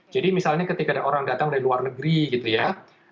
jadi misalnya ketika ada orang datang dari luar negeri gitu ya